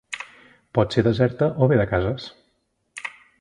Pot ser deserta o bé de cases.